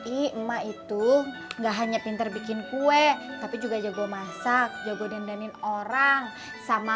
i emak itu nggak hanya pinter bikin kue tapi juga jago masak jago dendanin orang sama